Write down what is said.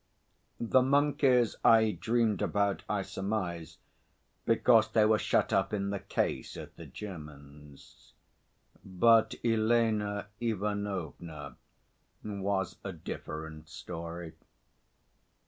IV The monkeys I dreamed about, I surmise, because they were shut up in the case at the German's; but Elena Ivanovna was a different story.